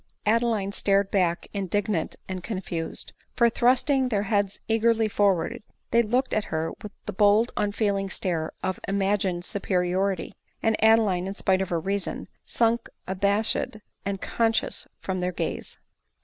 Adeline started back indignant and confused ; for, thrusting their heads eagerly forward, they looked at her with the bold unfeeling stare of imagined superiority; and Adeline, spite of her reason, sunk abashed and con scious from their gaze.